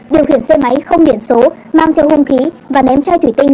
điều khiển xe máy không điện số mang theo hung khí và ném chai thủy tinh